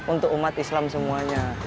untuk umat islam semuanya